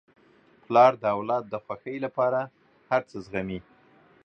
پلار د اولاد د خوښۍ لپاره هر څه زغمي.